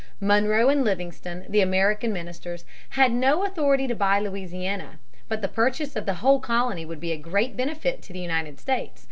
Monroe and Livingston, the American ministers, had no authority to buy Louisiana. But the purchase of the whole colony would be a great benefit to the United States.